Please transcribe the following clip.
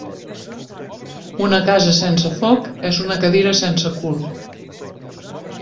Una casa sense foc és una cadira sense cul.